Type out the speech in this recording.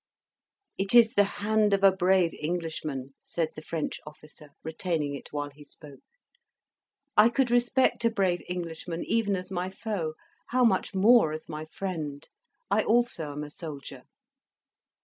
"It is the hand of a brave Englishman," said the French officer, retaining it while he spoke. "I could respect a brave Englishman, even as my foe, how much more as my friend! I also am a soldier."